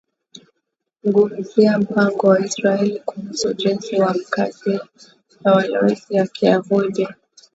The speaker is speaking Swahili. ngumzia mpango wa israel kuhusu ujenzi wa makazi ya walowezi ya kiyahudi